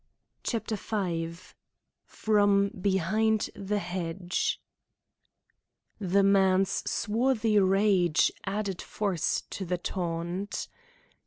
CHAPTER V FROM BEHIND THE HEDGE The man's swarthy rage added force to the taunt.